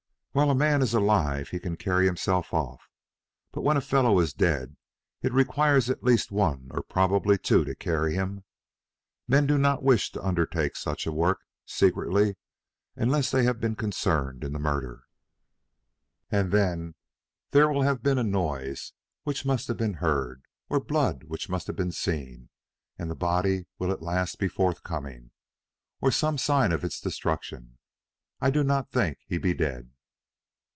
"While a man is alive he can carry himself off, but when a fellow is dead it requires at least one or probably two to carry him. Men do not wish to undertake such a work secretly unless they've been concerned in the murder; and then there will have been a noise which must have been heard, or blood which must have been seen, and the body will at last be forthcoming, or some sign of its destruction. I do not think he be dead."